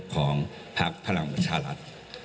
ของภาคพลังประชาลัด